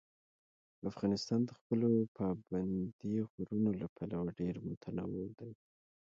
افغانستان د خپلو پابندي غرونو له پلوه ډېر متنوع دی.